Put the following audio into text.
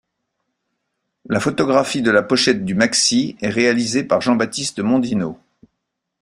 La photographie de la pochette du maxi est réalisée par Jean-Baptiste Mondino.